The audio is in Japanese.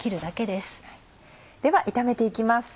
では炒めて行きます。